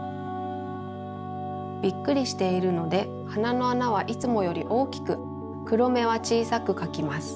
びっくりしているのではなのあなはいつもよりおおきくくろめはちいさくかきます。